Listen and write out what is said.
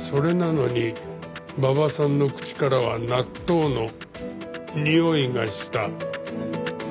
それなのに馬場さんの口からは納豆のにおいがした。